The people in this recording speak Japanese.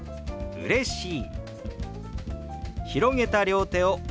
「うれしい」。